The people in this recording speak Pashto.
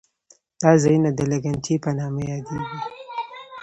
دا ځایونه د لګنچې په نامه یادېږي.